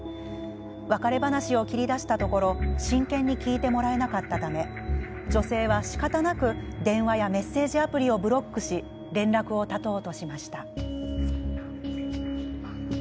別れ話を切り出したところ真剣に聞いてもらえなかったため女性は、しかたなく電話やメッセージアプリをブロックし連絡を絶とうとしました。